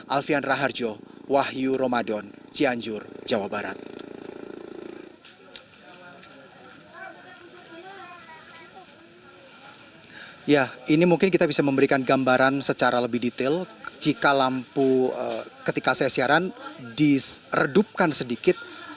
alfian raharjo wahyu ramadan cianjur jawa barat